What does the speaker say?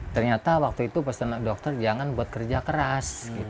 ternyata waktu itu pesan dokter jangan buat kerja keras